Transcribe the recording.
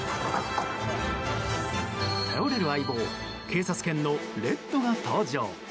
頼れる相棒警察犬のレッドが登場。